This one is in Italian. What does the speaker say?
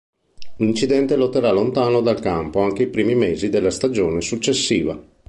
L'incidente lo terrà lontano dal campo anche i primi mesi della stagione successiva.